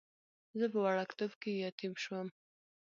زه په وړکتوب کې یتیم شوم.